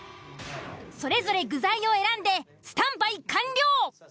それぞれ具材を選んでスタンバイ完了。